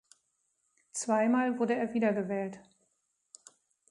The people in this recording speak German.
Zweimal wurde er wiedergewählt.